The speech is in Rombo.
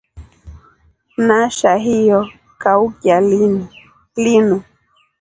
Nasha hiyo kaukya linu.